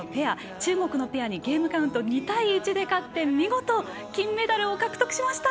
中国のペアにゲームカウント２対１で勝って見事、金メダルを獲得しました！